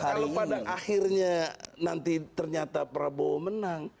kalau pada akhirnya nanti ternyata prabowo menang